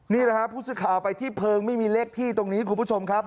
นี่แหละครับผู้สื่อข่าวไปที่เพลิงไม่มีเลขที่ตรงนี้คุณผู้ชมครับ